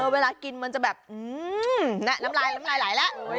เวลากินมันจะแบบน้ำลายแล้ว